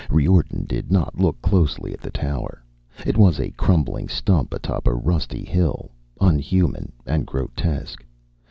Riordan did not look closely at the tower. It was a crumbling stump atop a rusty hill, unhuman and grotesque.